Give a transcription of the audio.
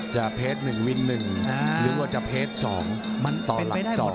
จะเพจ๑วิน๑หรือว่าจะเพจ๒ต่อหลัก๒